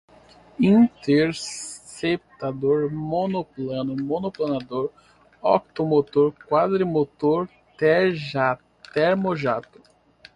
Interceptador, monoplano, monoplanador, octomotor, quadrimotor, termojato